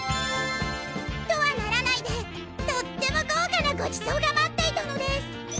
「とはならないでとっても豪華なご馳走が待っていたのです！」。